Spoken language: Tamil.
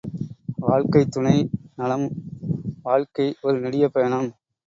வாழ்க்கைத் துணை நலம் வாழ்க்கை ஒரு நெடிய பயணம்.